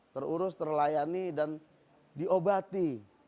terurus terlayani dan diobati